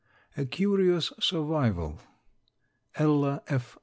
A CURIOUS SURVIVAL. ELLA F.